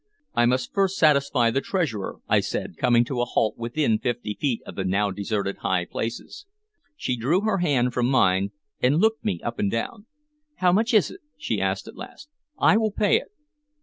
"I must first satisfy the treasurer," I said, coming to a halt within fifty feet of the now deserted high places. She drew her hand from mine, and looked me up and down. "How much is it?" she asked at last. "I will pay it."